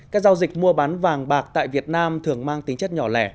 các giao dịch mua bán vàng bạc tại việt nam thường mang tính chất nhỏ lẻ